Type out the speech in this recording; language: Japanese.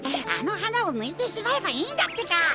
あのはなをぬいてしまえばいいんだってか。